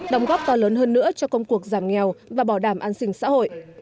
đồng góp to lớn hơn nữa cho công cuộc giảm nghèo và bảo đảm an sinh xã hội